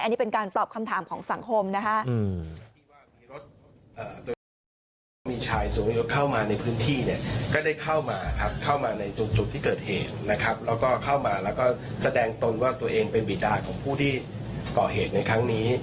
อันนี้เป็นการตอบคำถามของสังคมนะคะ